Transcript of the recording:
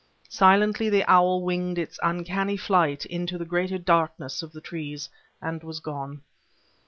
Silently the owl winged its uncanny flight into the greater darkness of the trees, and was gone.